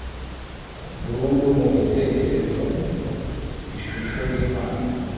burundu mu bitekerezo ishusho yImana